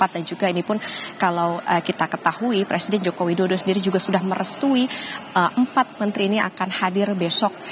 dan juga ini pun kalau kita ketahui presiden joko widodo sendiri juga sudah merestui empat menteri ini akan hadir besok